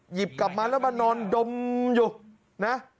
หยิบกลับมาแล้วมานอนดมอยู่นะ